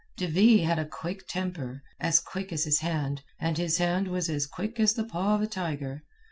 "De Ville had a quick temper, as quick as his hand, and his hand was as quick as the paw of a tiger.